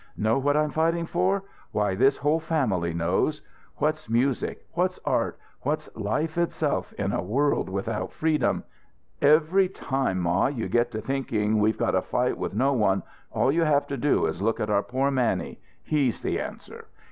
Know what I'm fighting for? Why, this whole family knows! What's music, what's art, what's life itself in a world without freedom? Every time, ma, you get to thinking we've got a fight with no one, all you have to do is look at our poor Mannie. He's the answer!